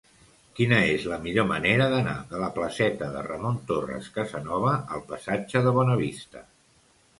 Quina és la millor manera d'anar de la placeta de Ramon Torres Casanova al passatge de Bonavista?